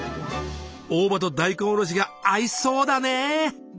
大葉と大根おろしが合いそうだね。